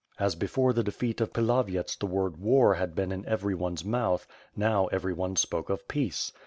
As before the defeat of Klavyets the word "war had been in everyone's mouth, now, everyone spoke of peace.